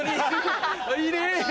いいね。